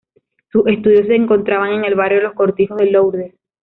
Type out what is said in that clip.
Sus estudios se encontraban en el barrio Los Cortijos de Lourdes.